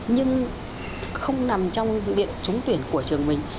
nhưng không nằm trong dự định trúng tuyển của trường mình